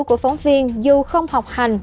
của phóng viên dù không học hành